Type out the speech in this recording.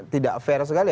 tidak fair sekali